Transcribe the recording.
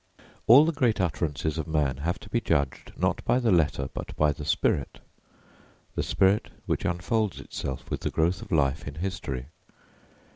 All the great utterances of man have to be judged not by the letter but by the spirit the spirit which unfolds itself with the growth of life in history.